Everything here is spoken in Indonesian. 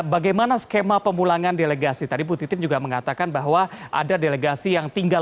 bagaimana skema pemulangan delegasi tadi bu titin juga mengatakan bahwa ada delegasi yang tinggal